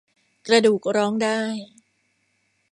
กระดูกร้องได้